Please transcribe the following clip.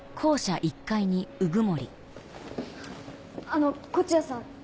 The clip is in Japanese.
あの東風谷さん